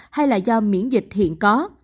hay là do miễn dịch hiện có